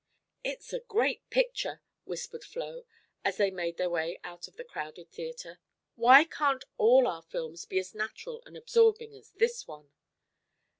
"It's a great picture!" whispered Flo, as they made their way out of the crowded theatre. "Why can't all our films be as natural and absorbing as this one?"